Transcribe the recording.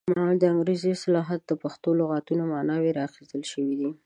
د انګریزي اصطلاحاتو پښتو لغوي ماناوې را اخیستل شوې دي.